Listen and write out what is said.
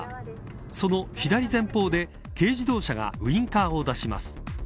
その左前方で軽自動車がウインカーを出します。